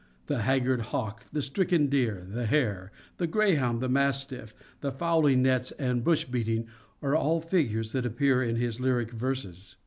The haggard hawk, the stricken deer, the hare, the grey hound, the mastiff, the fowling nets and bush beating are all figures that appear in his lyric verses.